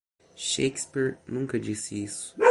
Shakespeare nunca disse isso.